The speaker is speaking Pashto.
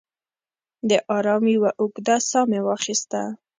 د ارام یوه اوږده ساه مې واخیسته.